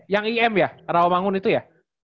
yang im ya rawamangun itu ya